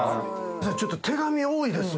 ちょっと手紙多いですわ。